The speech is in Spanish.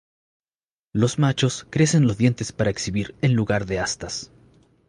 Los machos crecen los dientes para exhibir en lugar de astas.